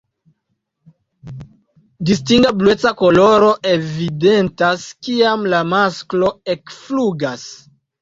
Distinga blueca koloro evidentas kiam la masklo ekflugas.